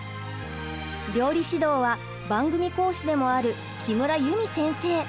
料理指導は番組講師でもある木村裕美先生。